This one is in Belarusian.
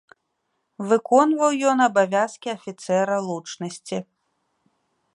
Выконваў ён абавязкі афіцэра лучнасці.